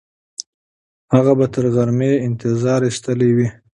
هغه به تر غرمه انتظار ایستلی وي.